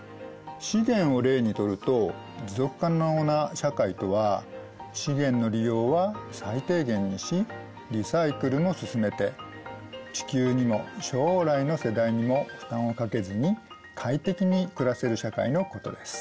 資源を例にとると持続可能な社会とは資源の利用は最低限にしリサイクルも進めて地球にも将来の世代にも負担をかけずに快適に暮らせる社会のことです。